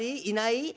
いない？